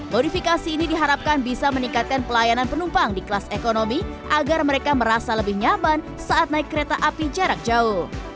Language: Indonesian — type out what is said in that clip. modifikasi ini diharapkan bisa meningkatkan pelayanan penumpang di kelas ekonomi agar mereka merasa lebih nyaman saat naik kereta api jarak jauh